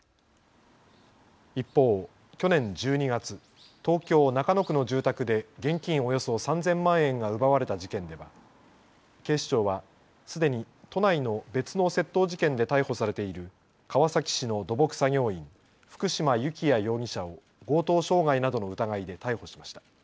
一方、去年１２月、東京中野区の住宅で現金およそ３０００万円が奪われた事件では警視庁はすでに都内の別の窃盗事件で逮捕されている川崎市の土木作業員、福嶋幸也容疑者を強盗傷害などの疑いで逮捕しました。